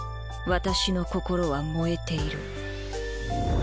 私の心は燃えている。